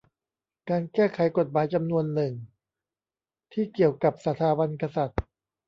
การแก้ไขกฎหมายจำนวนหนึ่งที่เกี่ยวกับสถาบันกษัตริย์